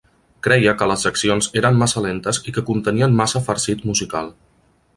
Creia que les seccions eren massa lentes i que contenien massa farcit musical.